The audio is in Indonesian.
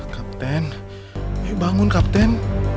kapten ayo bangun kapten